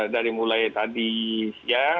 dari mulai tadi siang